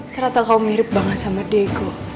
ternyata kau mirip banget sama diego